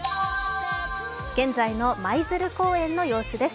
現在の舞鶴公園の様子です。